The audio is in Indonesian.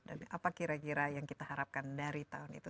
dan apa kira kira yang kita harapkan dari tahun itu